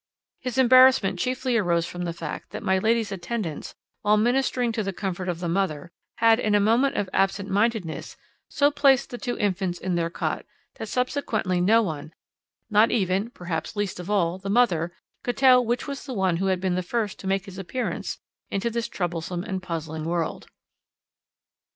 "His embarrassment chiefly arose from the fact that my lady's attendants, while ministering to the comfort of the mother, had, in a moment of absent mindedness, so placed the two infants in their cot that subsequently no one, not even perhaps least of all the mother, could tell which was the one who had been the first to make his appearance into this troublesome and puzzling world.